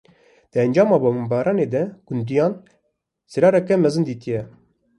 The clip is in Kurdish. Di encama bombebaranê de gundiyan, zirareke mezin dîtiye